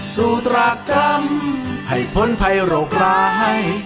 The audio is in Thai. ตรากรรมให้พ้นภัยโรคร้าย